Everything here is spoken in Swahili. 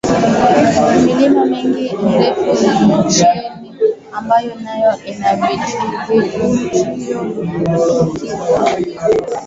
milima mengine mirefu nchini ambayo nayo ina vivutio lukuki vya utalii